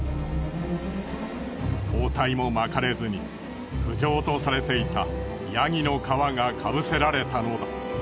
包帯も巻かれずに不浄とされていた山羊の皮がかぶせられたのだ。